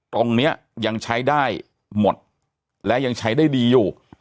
ตรงนี้ยังใช้ได้หมดและยังใช้ได้ดีอยู่